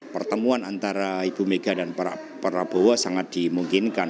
pertemuan antara ibu mega dan pak prabowo sangat dimungkinkan